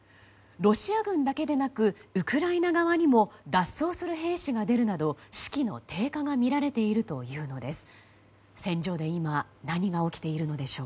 ロシア軍だけでなくウクライナ側にも脱走する兵士が出るなど士気の低下が見られているというのです。